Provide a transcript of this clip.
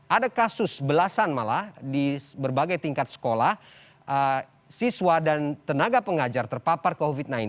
ada kasus belasan malah di berbagai tingkat sekolah siswa dan tenaga pengajar terpapar covid sembilan belas